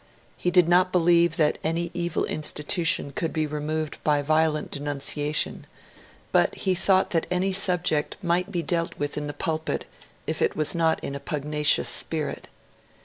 He did not believe that any evil institution could be removed by violent denunciation, but he thought that any subject might be dealt with in the pulpit, if it was not in a pugnacious spirit.